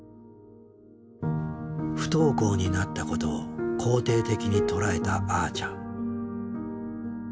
不登校になったことを肯定的に捉えたあーちゃん。